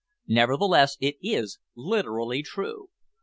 Nevertheless, it is literally true.